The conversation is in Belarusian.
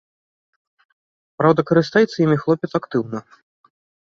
Праўда, карыстаецца імі хлопец актыўна.